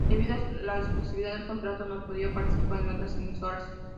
Debido a la exclusividad del contrato no podía participar en otras emisoras.